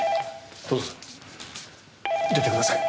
どうぞ出てください。